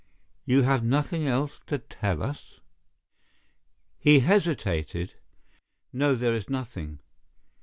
"You have nothing else to tell us?" He hesitated. "No, there is nothing."